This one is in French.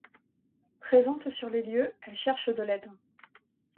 Présente sur les lieux, elle cherche de l'aide.